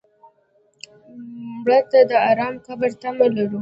مړه ته د ارام قبر تمه لرو